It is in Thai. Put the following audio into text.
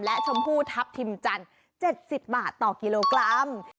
และชมพู่ทัพทิมจันทร์๗๐บาทต่อกิโลกรัม